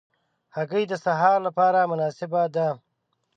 هګۍ د سهار له پاره مناسبه ده.